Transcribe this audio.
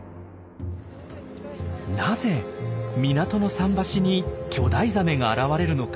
なぜ港の桟橋に巨大ザメが現れるのか。